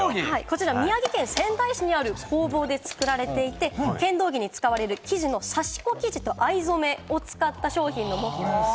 宮城県仙台市にある工房で作られていて、剣道着で使われる生地の刺子生地と藍染めを使った商品なんです。